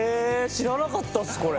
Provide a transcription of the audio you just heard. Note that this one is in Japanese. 知らなかったですこれ。